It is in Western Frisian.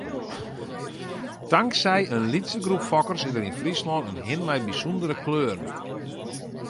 Tanksij in lytse groep fokkers is der yn Fryslân in hin mei bysûndere kleuren.